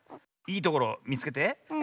いいところみつけて。